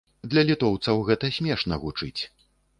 Для літоўцаў гэта смешна гучыць.